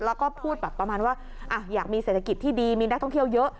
แล้วก็พูดแบบประมาณว่าอยากมีเศรษฐกิจที่ดีมีนักท่องเที่ยวเยอะ